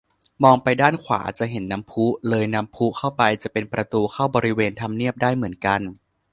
มองไปด้านขวาจะเห็นน้ำพุ เลยน้ำพุเข้าไปจะเป็นประตูเข้าบริเวณทำเนียบได้เหมือนกัน